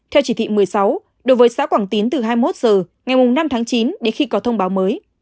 theo chỉ thị một mươi sáu đối với xã quảng tín từ hai mươi một h ngày năm tháng chín đến khi có thông báo mới